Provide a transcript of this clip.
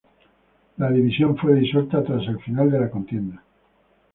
La división fue disuelta tras el final de la contienda.